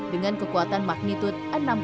dengan kekuatan magnitud enam